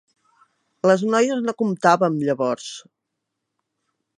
Les noies no comptàvem, llavors.